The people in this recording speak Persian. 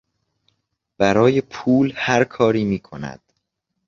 برای پول هر کاری میکند.